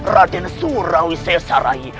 raden surawi sesarahi